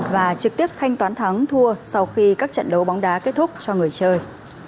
và trực tiếp thanh toán thắng thua sau khi các trận đấu bóng đá kết thúc cho người chơi